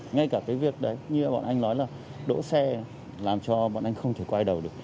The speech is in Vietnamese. ngay cả cái việc đấy như bọn anh nói là đỗ xe làm cho bọn anh không thể quay đầu được